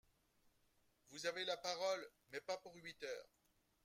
Vous avez la parole, mais pas pour huit heures